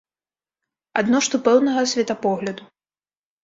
Адно што пэўнага светапогляду.